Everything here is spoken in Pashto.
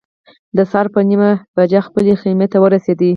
د سهار په یوه نیمه بجه خپلې خیمې ته ورسېدو.